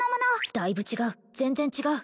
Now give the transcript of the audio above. だいぶ違う全然違う